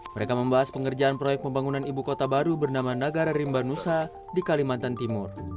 mereka membahas pengerjaan proyek pembangunan ibu kota baru bernama negara rimba nusa di kalimantan timur